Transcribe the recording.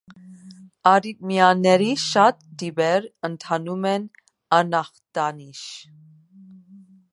Առիթմիաների շատ տիպեր ընթանում են անախտանիշ։